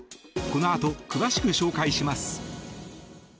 このあと詳しく紹介します。